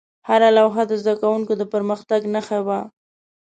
هره لوحه د زده کوونکو د پرمختګ نښه وه.